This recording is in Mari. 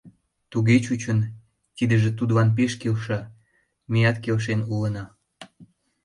Туге чучын, тидыже тудлан пеш келша, меат келшен улына.